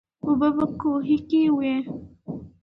اوبه په کوهي کې وې.